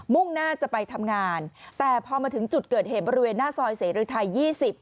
่งหน้าจะไปทำงานแต่พอมาถึงจุดเกิดเหตุบริเวณหน้าซอยเสรีไทย๒๐